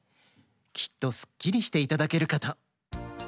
きっとスッキリしていただけるかと。